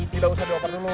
tidak usah dioper dulu